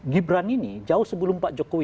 gibran ini jauh sebelum pak jokowi